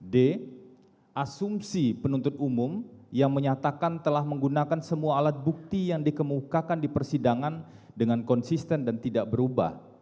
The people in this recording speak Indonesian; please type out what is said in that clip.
d asumsi penuntut umum yang menyatakan telah menggunakan semua alat bukti yang dikemukakan di persidangan dengan konsisten dan tidak berubah